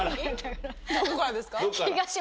どこからですか？